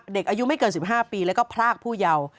เด็กอายุไม่เกิน๑๕ปีแล้วก็พรากผู้เยาว์